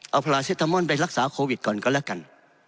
เอาพลาเซตามอนไปรักษาโควิดก่อนก็แล้วกัน